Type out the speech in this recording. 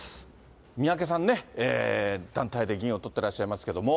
三宅さんね、団体で銀をとってらっしゃいますけれども。